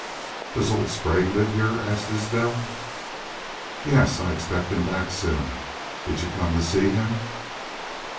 "Does old Sprague live here?" asked Isbel. "Yes. I expect him back soon.... Did y'u come to see him?"